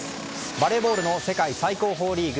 バレーボールの世界最高峰リーグ